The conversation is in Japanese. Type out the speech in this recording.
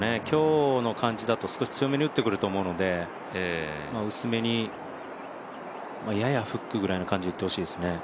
今日の感じだと少し強めに打ってくると思うので、薄めに、ややフックぐらいの感じでいってほしいですね。